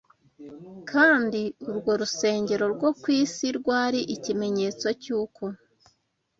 kandi urwo rusengero rwo ku isi rwari ikimenyetso cy’uko